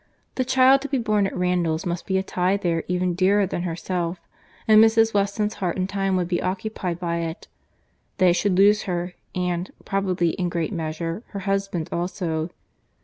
The child to be born at Randalls must be a tie there even dearer than herself; and Mrs. Weston's heart and time would be occupied by it. They should lose her; and, probably, in great measure, her husband also.